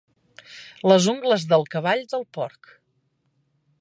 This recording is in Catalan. Les ungles del cavall, del porc.